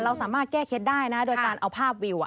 เราสามารถแก้เคล็ดได้นะโดยการเอาภาพวิว